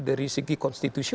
dari segi konstitusi